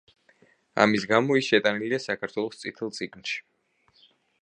ამის გამო ის შეტანილია საქართველოს „წითელ წიგნში“.